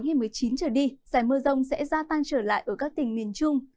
từ ngày một mươi chín trở đi giải mưa rông sẽ gia tăng trở lại ở các tỉnh miền trung